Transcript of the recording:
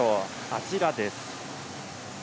あちらです。